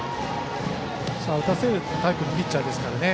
打たせるタイプのピッチャーですからね。